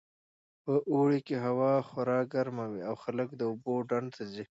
په اوړي کې هوا خورا ګرمه وي او خلک د اوبو ډنډ ته ځي